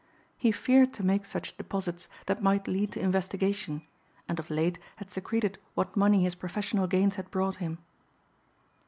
He feared to make such deposits that might lead to investigation and of late had secreted what money his professional gains had brought him.